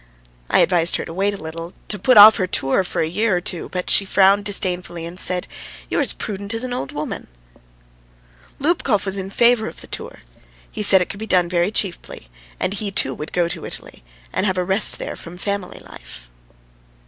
I advised her to wait a little, to put off her tour for a year or two, but she frowned disdainfully and said: "You're as prudent as an old woman!" Lubkov was in favour of the tour. He said it could be done very cheaply, and he, too, would go to Italy and have a rest there from family life.